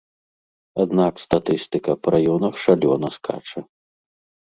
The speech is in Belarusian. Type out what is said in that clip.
Аднак статыстыка па раёнах шалёна скача.